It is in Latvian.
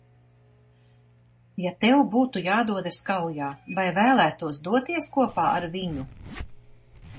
Ja tev būtu jādodas kaujā, vai vēlētos doties kopā ar viņu?